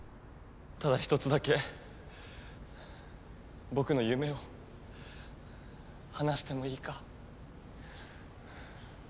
ただひとつだけぼくのゆめを話してもいいか？